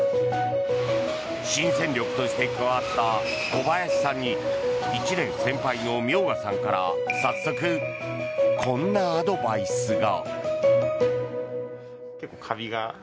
新戦力として加わった古林さんに１年先輩の明賀さんから早速こんなアドバイスが。